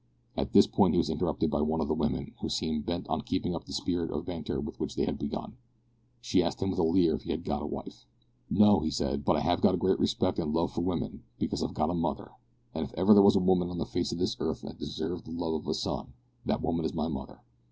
At this point he was interrupted by one of the women, who seemed bent on keeping up the spirit of banter with which they had begun. She asked him with a leer if he had got a wife. "No," he said, "but I have got a great respect and love for women, because I've got a mother, and if ever there was a woman on the face of this earth that deserves the love of a son, that woman is my mother.